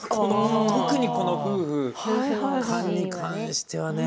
特にこの夫婦に関してはね。